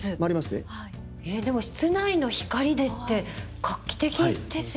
でも室内の光でって画期的ですよね。